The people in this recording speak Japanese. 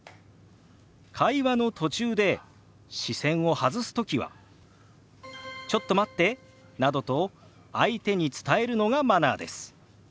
会話の途中で視線を外すときは「ちょっと待って」などと相手に伝えるのがマナーです。